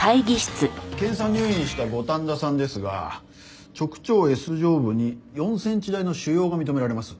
検査入院した五反田さんですが直腸Ｓ状部に４センチ大の腫瘍が認められます。